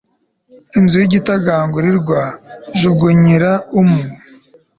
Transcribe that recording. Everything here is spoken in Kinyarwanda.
inzu y'igitagangurirwa jugunyira umwe